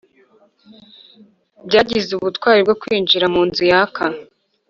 byagize ubutwari bwo kwinjira munzu yaka.